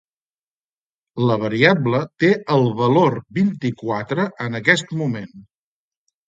La variable té el valor vint-i-quatre en aquest moment.